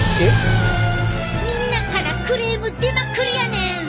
みんなからクレーム出まくりやねん！